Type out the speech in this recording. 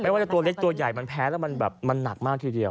ว่าจะตัวเล็กตัวใหญ่มันแพ้แล้วมันแบบมันหนักมากทีเดียว